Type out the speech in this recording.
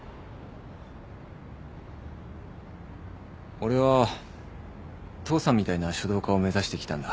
俺は父さんみたいな書道家を目指してきたんだ。